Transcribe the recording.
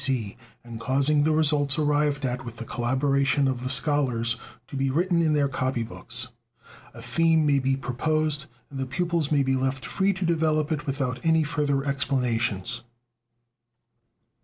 B. C. and causing the result arrived at with the collaboration of the scholars to be written in their copy books. "A theme may be proposed and the pupils may be left free to develop it without any further explanations.